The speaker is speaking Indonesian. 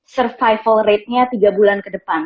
survival ratenya tiga bulan ke depan